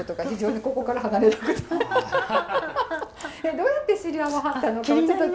どうやって知り合わはったのか。